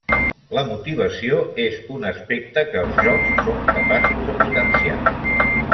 La motivació és un aspecte que els jocs són capaços de potenciar.